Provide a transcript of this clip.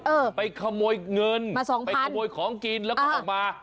เออไปขโมยเงินไปขโมยของกินแล้วก็ออกมา